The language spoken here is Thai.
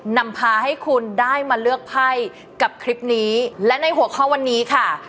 นำพาให้คุณได้มาเลือกไพ่กับคลิปนี้และในหัวข้อวันนี้ค่ะ